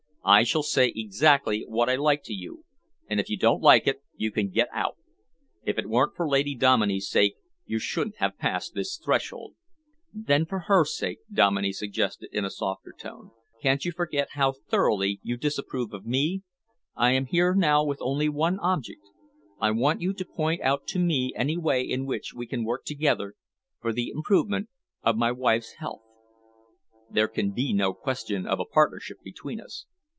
I shall say exactly what I like to you, and if you don't like it you can get out. If it weren't for Lady Dominey's sake, you shouldn't have passed this threshold." "Then for her sake," Dominey suggested in a softer tone, "can't you forget how thoroughly you disapprove of me? I am here now with only one object: I want you to point out to me any way in which we can work together for the improvement of my wife's health." "There can be no question of a partnership between us."